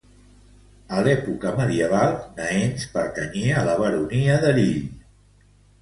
A l'època medieval, Naens pertanyia a la Baronia d'Erill.